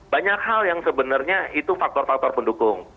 banyak hal yang sebenarnya itu faktor faktor pendukung